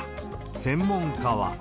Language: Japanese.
専門家は。